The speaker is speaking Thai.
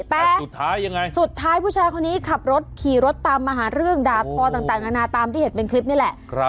แต่สุดท้ายยังไงสุดท้ายผู้ชายคนนี้ขับรถขี่รถตามมาหาเรื่องดาบทอต่างนานาตามที่เห็นเป็นคลิปนี่แหละ